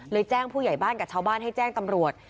แจ้งผู้ใหญ่บ้านกับชาวบ้านให้แจ้งตำรวจ